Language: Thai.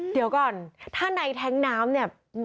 เดี๋ยวก่อนถ้าในแท้งน้ำเนี่ย